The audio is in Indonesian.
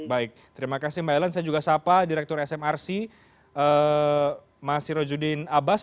baik terima kasih mbak ellen saya juga sapa direktur smrc mas sirojudin abbas